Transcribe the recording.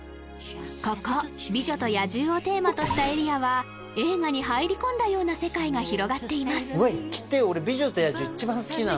ここ「美女と野獣」をテーマとしたエリアは映画に入り込んだような世界が広がっています